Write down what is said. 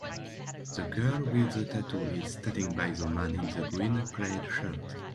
The girl with the tattoo is standing by the man in the green plaid shirt.